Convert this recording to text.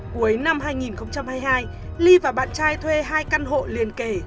cuối năm hai nghìn hai mươi hai ly và bạn trai thuê hai căn hộ liền kể